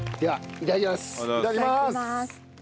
いただきます。